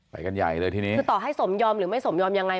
ไปกันใหญ่เลยทีนี้คือต่อให้สมยอมหรือไม่สมยอมยังไง